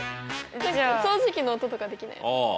掃除機の音とかできないの？